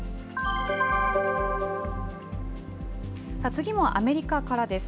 次もアメリカからです。